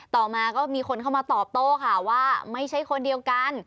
ต่อมาก็มีคนเข้ามาตอบโต้ค่ะว่าไม่ใช่คนเดียวกัน